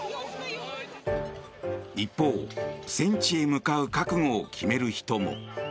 一方、戦地へ向かう覚悟を決める人も。